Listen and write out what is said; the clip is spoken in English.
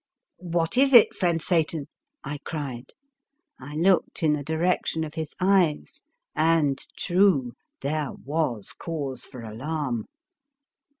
" What is it, friend Satan? " I cried. I looked in the direction of his eyes, and true, there was cause for alarm.